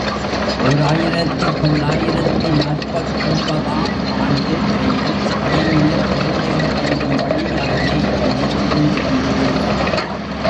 ஓர் ஆயிரத்து தொள்ளாயிரத்து நாற்பத்தொன்பது ஆம் ஆண்டு வரையில், படையினர் குழந்தைகள் பயிலும் பள்ளியாகவே இது இருந்துவந்தது.